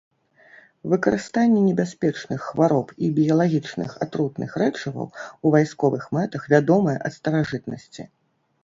Выкарыстанне небяспечных хвароб і біялагічных атрутных рэчываў у вайсковых мэтах вядомае ад старажытнасці.